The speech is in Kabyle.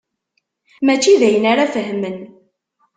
Mačči d ayen ara fehmen.